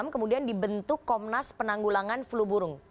kemudian dibentuk komnas penanggulangan flu burung